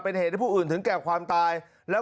เป็นเหตุที่ผู้อื่นถึงแก่ความตาย